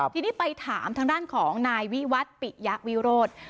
ทีนี้ไปถามทางด้านของนายวิวัตรปิยะวิโรธ